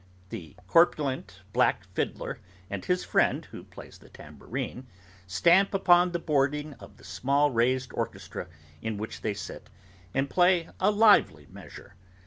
The corpulent black fiddler, and his friend who plays the tambourine, stamp upon the boarding of the small raised orchestra in which they sit, and play a lively measure.